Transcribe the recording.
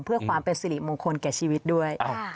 เพื่อความเป็นสิริมงคลแก่ชีวิตด้วย